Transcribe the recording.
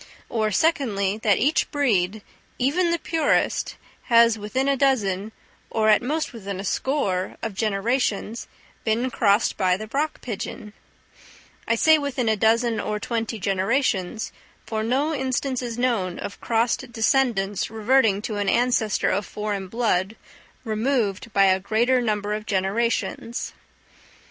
Or, secondly, that each breed, even the purest, has within a dozen, or at most within a score, of generations, been crossed by the rock pigeon: I say within a dozen or twenty generations, for no instance is known of crossed descendants reverting to an ancestor of foreign blood, removed by a greater number of generations.